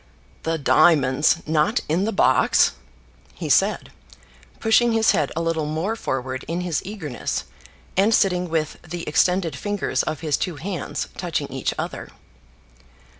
"The diamonds not in the box!" he said, pushing his head a little more forward in his eagerness, and sitting with the extended fingers of his two hands touching each other.